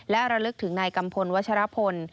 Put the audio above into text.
และระลึกถึงนายกัมพลวัชรพล